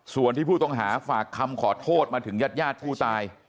ส่วนที่ผู้ต้องหาฝากคำขอโทษมาถึงญาติญาติผู้ตาย